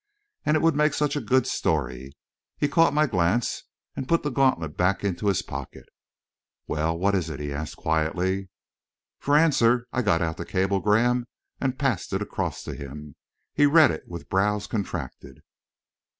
And it would make such a good story! He caught my glance, and put the gauntlet back into his pocket. "Well, what is it?" he asked quietly. For answer, I got out the cablegram and passed it across to him. He read it with brows contracted.